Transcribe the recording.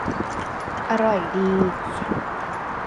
: อร่อยดี